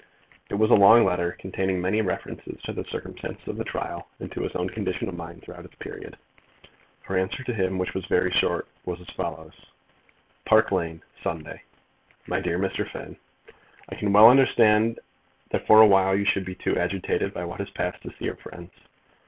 It was a long letter, containing many references to the circumstances of the trial, and to his own condition of mind throughout its period. Her answer to him, which was very short, was as follows: Park Lane, Sunday . MY DEAR MR. FINN, I can well understand that for a while you should be too agitated by what has passed to see your friends.